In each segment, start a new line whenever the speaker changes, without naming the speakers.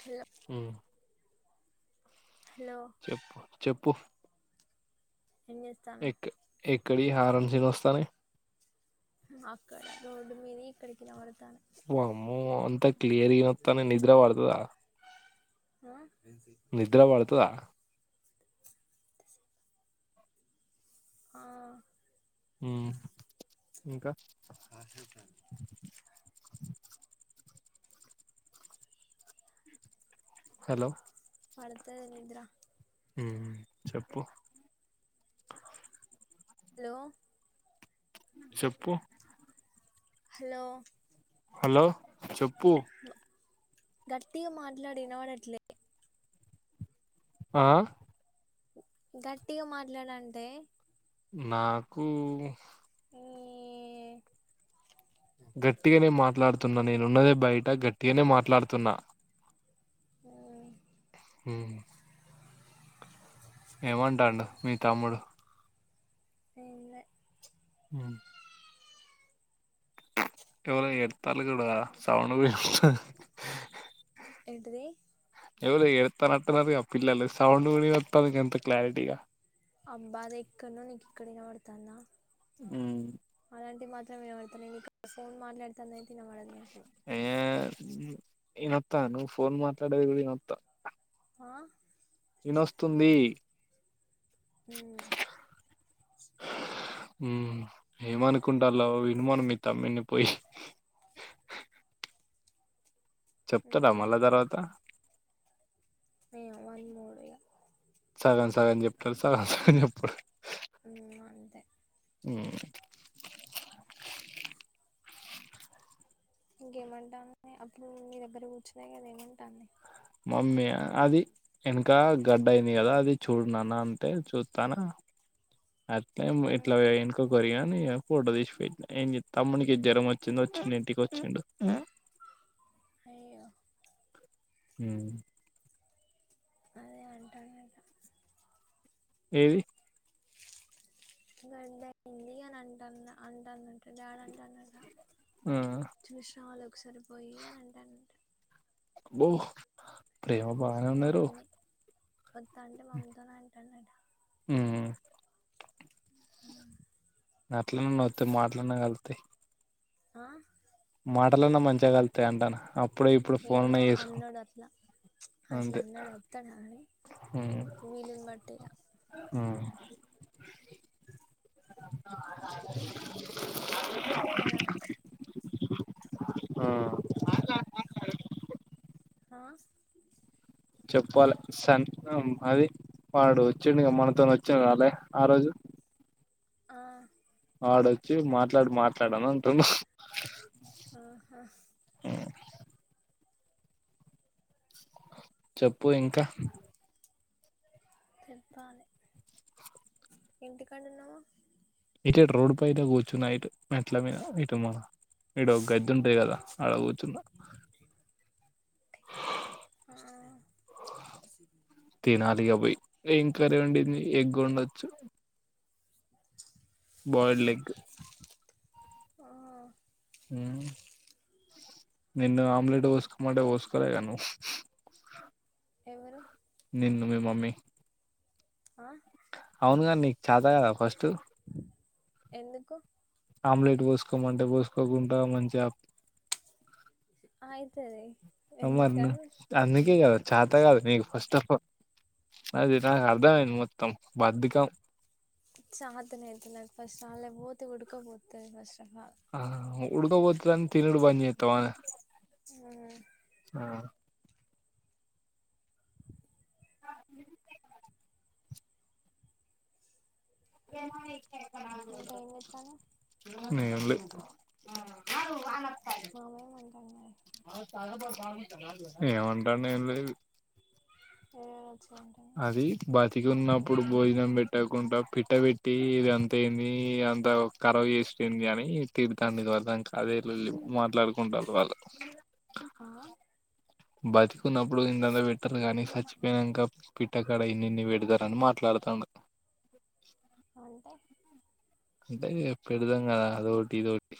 hello
ఊ
hello
చెప్పు చెప్పు
ఎంజేస్తన్నావ్
ఎక్కడివి వారంన్ సినిమాలు వస్తున్నాఇ
అక్కడ రోడుమీదివి ఇక్కడకి వినపడుతున్నాయి
ఓ అమ్మో అంత క్లియర్ గా ఇనతన్నాయ్ నిద్ర పడ్తాతదా
ఆ
నిద్ర పడ్తతదా
ఆ
ఊ ఇంకా
ఆర్ జె ట్రాన్స్పోర్ట్
హలో
పడ్తటిది నిద్రా
ఊ చెప్పు
హలో
చెప్పు
హలో
హలో చెప్పు
గట్టిగా మాట్లాడు ఇనబడట్లే
ఆ
గట్టిగా మాట్లాడంటే
నాకూ
ఈ
గట్టిగానే మాట్లాడుతున్నా నేను ఉన్నదే బయట గట్టిగానే మాట్లాడుతున్నా
ఆ
మ్ ఏమంటాన్డు మీ తమ్ముడు
ఏమ్ లే
ఉమ్ ఎవలో ఏడుత్తళ్ళు గడ లు సౌండ్ వినపడుతంది
ఏంటిది
ఎవలో ఏడుత్తానట్టున్నారుగా పిల్లలు సౌండ్ గూడా ఇనొత్తాది గంత క్లారిటీగా
అబ్బా అదెకడ్నో నీకిక్కడ ఇనబడ్తాందా
మ్
ఆటంటీయి మాత్రం ఇనబడతాయ్ నేను ఇక్కడ ఫోన్ మాట్లాడుతాందైతే ఇనబడదు నీకు
ఏ ఇనొతాంది నువ్ ఫోన్ మాట్లాడేది కుడా ఇనొతాంది
ఆ
ఇనొస్తుంది
మ్
మ్ ఏమనుకుంటాలో విను మను మీ తమ్మున్ని పోయి చెప్తాడా
ఉమ్
మళ్ళా తర్వాత
ఏమొ వాన్ మూడిగ
సగం సగం చెప్తాడు సగం సగం చెప్పడు
మ్ అంతే
మ్
ఇంకేమంటాంది అప్పుడు మీదగ్గర కూర్చునే కద ఏమంటాంది
మమ్మ ఆ అది ఎనకా గడ్డ అయింది కదా అది చూడున్నాన్న అంటే చూత్తానా అట్లెం ఇట్లా ఎనుకకోరిగిన ని ఫోటో తీసిపెట్నా ఏం తమ్ముకి జ్వరం వచ్చింది వచ్చిండు ఇంటికి వచ్చిండు
అయ్యో
మ్
అదే అంటాండట
ఏది
గడ్డ అయింది అని అంటన్న అంటందట డాడీ అంటండట
ఆ
చూసి రావాలె ఒకసారిపోయి అని అంటండట
అబ్బో ప్రేమ బాగనే ఉన్నాది రో
కఒత్తంటే మమ్మీ తోని అంటండట
అట్లనన్న ఓతే మాట్లన్నా కలుత్తయ్
ఆ
మాటలన్నా మంచిగా కలుతాయి అంటన అప్
ఏమో అన్నాడు అట్లా అట్లా
అంతే
అన్నాడు ఒత్తడ కానీ వీలును బట్టి ఇగ
మ్
కదా
ఆ
ఆ
చెప్పాలే సంత్రం అది వాడు వచ్చిడుగా మనతోన్ వచ్చాను రాలే ఆ రోజు
ఆ
వాడొచ్చి మాట్లాడు మాట్లాడు అని అంటుండు
ఆహా
చెప్పు ఇంకా
చెప్పాలి ఇంటికడ ఉన్నావ
ఇటు రోడ్ పైద కూర్చున్నా ఇటు మెట్ల మీద ఇటు మా ఇడ ఒక గద్దె ఉంటాది కదా ఆడ కూర్చున్న
ఆ
తినలే ఇగ పోయి ఏం కర్రీ అండింది ఎగ్ ఉండొచ్చు బాయిల్డ్ ఎగ్
ఆ
మ్మ్ నిన్న ఆమ్లేట్ పోస్కో అంటే పోస్కో లే కదా నువ్వు
ఎవరు
నిన్ను మీ మమ్మీ
ఆ
అవును కానీ నీకు చత కదా ఫస్ట్
ఎందుకు
ఆమ్లెట్ పోసుకోమంటే పోసుకోకుండా మంచిగా
ఆయితది
ఆ మరి నీకు అందుకే కాదు చాత కాదు నీకు ఫస్ట్ ఆఫ్ ఆల్ అది నాకు అర్థమైంది మొత్తం బద్ధకం
చత అతే నా ఫస్ట్ ఆన్ల పోతే ఉడుక పోతది ఫస్ట్ ఆఫ్ ఆల్
ఆ ఉడుకపోతదని తినిడు బంద్ చేతవానే
ఆ
ఆ ఏమ
ఇంకా ఏం చేత్తన్నావ్
ఎమ్లే
మామే ఏం అంటడు
ఏమంటుండు ఏం లేదు
ఓ
అది బతికి ఉన్నప్పుడు భోజనం పెట్టకుండా పిట్ట పెట్టి ఇది ఎంత ఏంది అంత కరాబ్ చేసి పెట్టింది అని తిడుతాంది ఇదివరదాకా అదే లొల్లి మాట్లాడుకుంటాళ్ళు వాళ్ళు
ఆ
బతికిన్నప్పుడు ఇంతంతా పెట్టాలి కాగానీ సచ్చిపోయినాక పిట్టకాడ ఇన్ని ఇన్ని పెడతారని మాట్లాడత తండు
అంటే
అంటే పెడతం కదా అదోటి ఇదోటి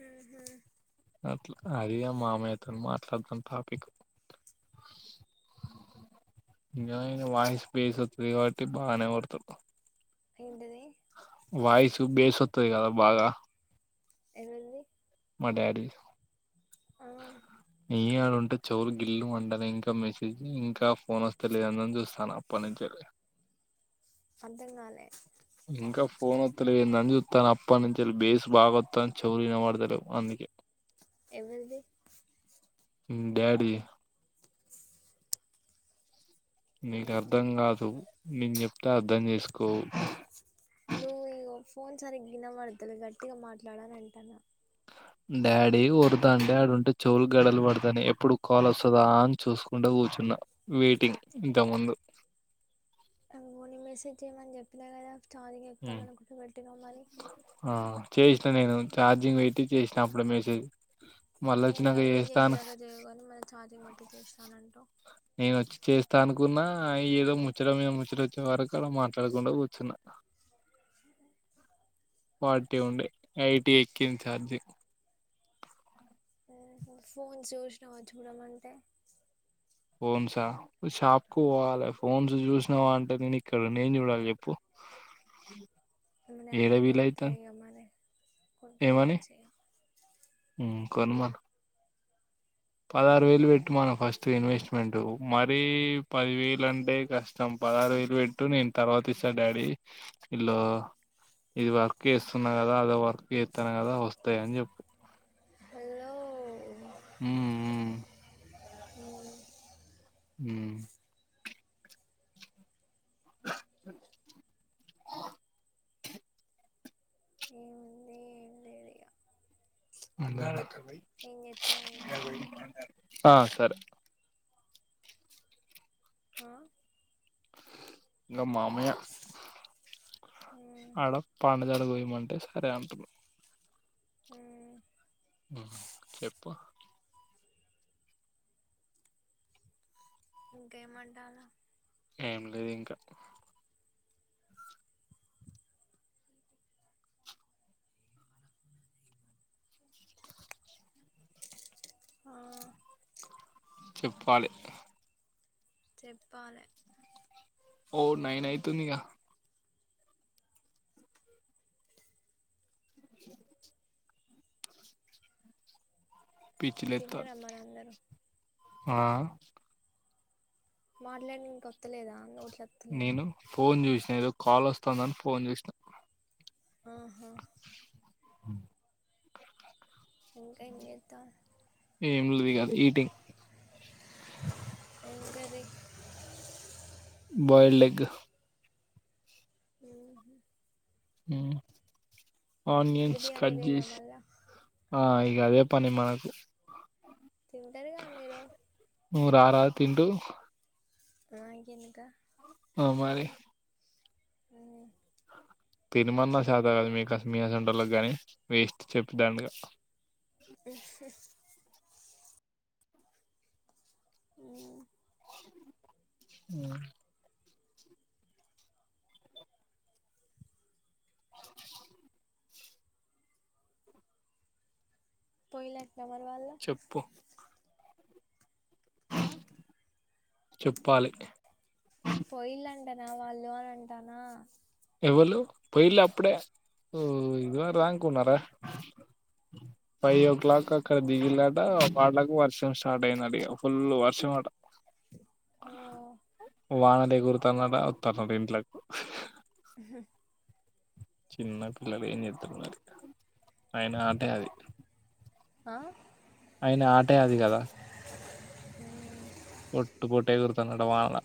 ఉహు
అట్లా అది ఇగ మామయ్య తో మాట్లాడుతున్న టాపిక్ ఇగ వాయిస్ బేస్ వస్తది కాబట్టి బానే ఒర్రుతడు
ఏంటిది
వాయిసు బేస్ వతది కదా బాగా
ఏవల్ది
మా డాడీ ది ఏ ఆళ చెవులు గిల్లు మంటన్నయ్ ఇంకా మెసేజ్ ఇంకా ఫోన్ వస్తే లేదందని చూస్తాన్న అప్పటి నుంచలి
అర్థం కాలే
ఇంకా ఫోన్ అప్పనుంచి [unintelligible] ఎ
ఎవరిది
డాడీ నీకు అర్థం కాదు నేను చెప్తే అర్థం చేసుకోవు
నువ్వు ఫోన్ సరిగ వినబడతుదు గట్టిగా మాట్లాడి అంటాను
డాడీ [unintelligible] డాడీ ఉంటే చెవులు గడలు పడతాను ఎప్పుడు కాల్ వస్తుందా అని చూసుకుంట కూర్చున్న వెయిటింగ్ ఇంత ముందు
అ పోని మెసేజ్ చేయమని చెప్పినా కదా [inaudible] చెప్తాను
ఉమ్
అనుకుంట పెట్టుకోమ్మని
చేసినా నేను చార్జంగ్ పెట్టి చేసిన అప్పుడే మేసే
ఏహే నేను చేసే దక చేయవు కాని మరి ఛార్జింగ్ పెట్టి చేస్తానంటవ్
నేను వచ్చి చేస్త అనుకున్నా ఏదో ముచ్చటా నేను ముచ్చట వచ్చే వరకు అలా మాట్లాడకుంట కుచ్చున్న ఫోర్టీ ఉండే [unintelligible] ఎక్కింది చార్జి
ఫోన్ చూసినావ చూడమంటే
ఫోన్స షాప్ కు పోవాలి ఫోన్స్ చూసినావా అంటే నేను ఇక్కడ నేను వుండి ఎం చూడాలి చెప్పు అ
[inaudible]
కొన్న పదారు వేలు
ఉమ్,
పెట్టుమాను ఫస్ట్ ఇన్వెస్ట్మెంట్ మ [unintelligible] పదివేలు అంటే కష్టం పదహారు వేలు పెట్టు నేను తర్వాత ఇస్తాను డాడీ ఇలో ఇది వర్క్ చేస్తున్నా కదా అదో వర్క్ చేస్తాను కదా వస్తాయి అని చెప్
హలో
ఉ ఊ
ఈ
హు
ఏముంది ఎం లేదిగ
[unintelligible]
ఎం చేతనో ఇగ
ఆ సరే
ఆ
ఇంగ మామయ్య
ఉమ్,
అడ [unintelligible] పోయి అంటే సరే అంటున్నా
ఊ
చెప్పు
ఇంకేమంటా
ఏం లేదు ఇంక
ఆ
చెప్పాలి
చెప్పాలె
ఓ నైన్ అయితుంది గ
తిన్నార
పిచ్చిలేత్తాంది
మరి అందరు
ఆ
మాట్లాడడానికి వస్తలేద నోటికి
నేను ఫోన్ చూసిన ఏదో కాల్ వస్తుందని ఫోన్ చూసినా
ఆహా
ఉ
ఇంకా ఏం చేస్తారు
ఏం లేదు ఈటింగ్
ఏం కర్రీ
బాయిల్డ్ ఎగ్
ఉహు
ఆనియన్స్
బిర్యానీ
కట్
లేదా
చేసి
మళ్ళా
ఆ అదే పని మనకు
తింటారుగా మీరు
దారదు తిందువు
ఆ ఇంకేంది ఇంకా
ఓ మరి
ఉ
తినమన్నా శాత కాదు మీకు మీ అసంటోళ్ళకు వేస్ట్ చెప్పి దండగా
ఉ హు ఉ
ఉ టీవీ సౌండ్
పోయిందంటనా వాళ్ళు
చెప్పు
ఆ
చెప్పాలి
పోయిలంటే నా వాళ్ళు అని అంటానా
ఎవలూ పోయిలు అప్పుడే ఊ యువర్ దాకా ఉన్నారా ఫైవ్ ఓ క్లాక్ అక్కడ దిగిలాట వాళ్లకు వర్షం స్టార్ట్ అయింది అడిగ ఫుల్ వర్షం అట
ఓ
వానకు ఎగురుతండట వస్తాండట ఇంట్లోకి
ఉ హు
చిన్న పిల్లలు ఏం చెతున్నారు మరి ఆయన ఆటే అది
ఆ
అయిన ఆటే అది కదా పొట్టు పొట్టు ఎగురుతాండట వానల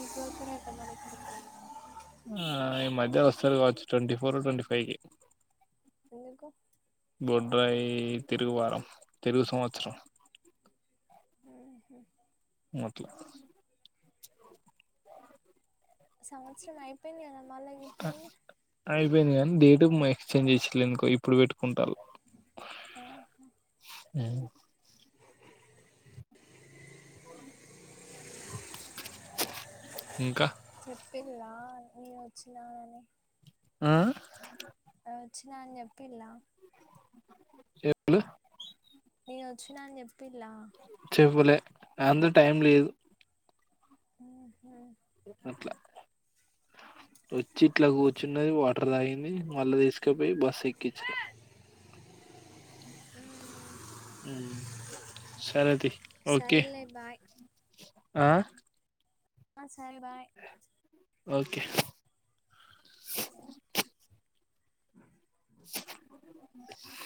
ఎపుడు వెళ్తావు మరి ఇంటికి
ఆ ఈ మధ్య వస్తారు కావచ్చు ట్వంటీ ఫోర్ ట్వంటీ ఫైవ్ కి
ఎందుకు
బొడ్రాయి తిరుగు వారం తిరుగు సంవత్సరం
ఉ హు
ఓకే
సంవత్సరం అయిపోయింది కదా మల్ల ఇప్పుడైంది
అయింది కానీ డేట్ ఎక్స్చేంజ్ చేసిల్లు ఎందుకొ ఇప్పుడు పెట్టుకుంటరు
ఆహ
ఇంకా
పిల్లా నను వచ్చినా నని
ఆ
వచ్చినా అని చెప్పిల్ల
ఎ [inaudible]
నేను వచ్చినా అని చెప్పిల్లా
చెప్పులే అంత టైం లేదు
ఊహు
అట్లా వచ్చి ఇట్లా కూర్చున్నది వాటర్ తాగింది మళ్ళా తీసుకపోయి బస్ ఎక్కిచ్నా ఉమ్ సరే తీ ఓకే
సరేలే బాయ్
ఆ
ఆ సరే బాయ్
ఓకే
[inaudible]
[inaudible]